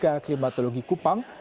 geofisika klimatologi kupang